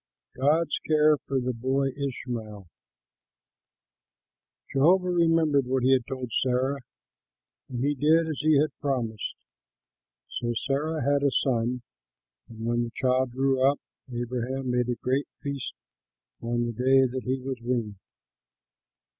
GOD'S CARE FOR THE BOY ISHMAEL Jehovah remembered what he had told Sarah, and he did as he had promised. So Sarah had a son, and when the child grew up, Abraham made a great feast on the day that he was weaned.